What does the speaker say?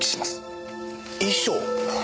遺書。